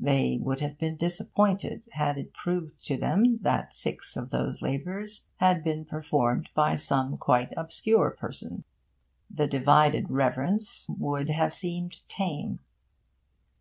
They would have been disappointed had it been proved to them that six of those labours had been performed by some quite obscure person. The divided reverence would have seemed tame.